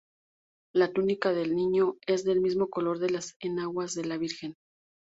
La túnica del Niño es del mismo color de las enaguas de la Virgen.